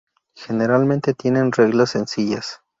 Generalmente tienen reglas sencillas.